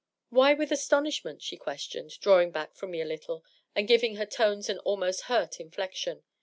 " Why ^ with astonishment' ?" she questioned, drawing back from me a little, and giving her tones an almost hurt inflection.